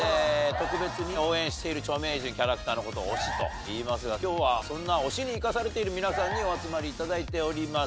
特別に応援している著名人キャラクターのことを「推し」と言いますが今日はそんな推しに生かされている皆さんにお集まりいただいております。